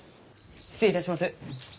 失礼いたします。